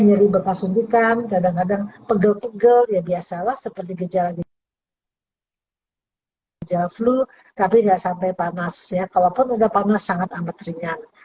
nyeri bekas suntikan kadang kadang pegel pegel ya biasalah seperti gejala gejala flu tapi nggak sampai panas ya kalaupun agak panas sangat amat ringan